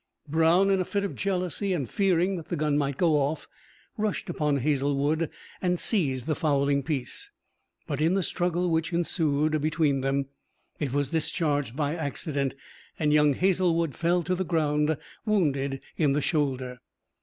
Brown, in a fit of jealousy, and fearing that the gun might go off, rushed upon Hazlewood and seized the fowling piece. But in the struggle which ensued between them it was discharged by accident, and young Hazlewood fell to the ground, wounded in the shoulder.